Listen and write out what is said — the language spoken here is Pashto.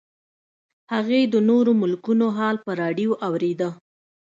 هغې د نورو ملکونو حال په راډیو اورېده